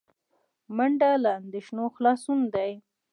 منډه له اندېښنو خلاصون دی